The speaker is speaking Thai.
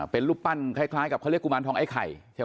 เป็นรูปปั้นคล้ายกับเขาเรียกกุมารทองไอไข